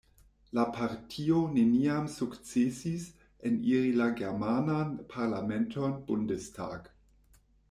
La partio neniam sukcesis eniri la germanan parlamenton Bundestag.